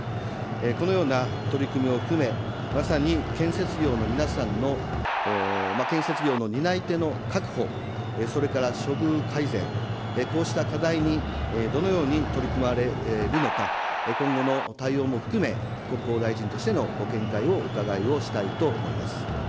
このような取り組みを含め、まさに建設業の皆さんの、建設業の担い手の確保、それから処遇改善、こうした課題にどのように取り組まれるのか、今後の対応も含め、国交大臣としてのご見解をお伺いをしたいと思います。